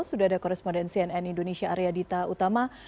sudah ada korespondensi nn indonesia arya dita utama